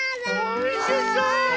おいしそう！